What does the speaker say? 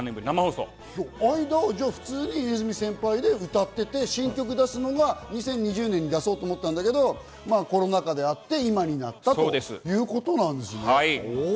間は普通に鼠先輩で歌ってて、新曲出すのが２０２０年に出そうと思ったんだけど、コロナ禍で今になったということなんですね。